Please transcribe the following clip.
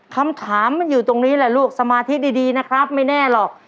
คำถามมันอยู่ตรงนี้แหละลูกสมาธิดีนะครับไม่แน่หรอก